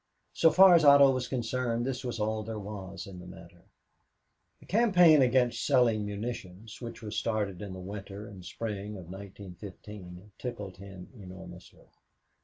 So far as Otto was concerned, this was all there was in the matter. The campaign against selling munitions, which was started in the winter and spring of 1915, tickled him enormously.